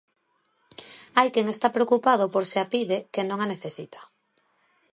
Hai quen está preocupado por se a pide quen non a necesita.